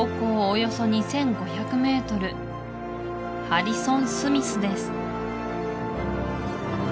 およそ２５００ｍハリソン・スミスです